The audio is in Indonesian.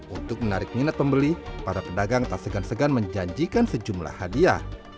untuk menarik minat pembeli para pedagang tak segan segan menjanjikan sejumlah hadiah